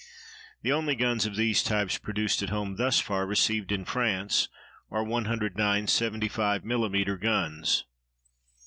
The only guns of these types produced at home thus far received in France are 109 seventy five millimeter guns.